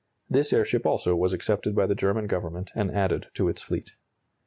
This airship also was accepted by the German Government and added to its fleet.